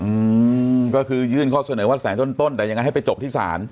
อืมก็คือยื่นข้อเสนอว่าแสนต้นต้นแต่ยังไงให้ไปจบที่ศาล